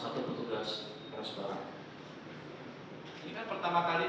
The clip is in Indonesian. kita harus jelitkan di kamera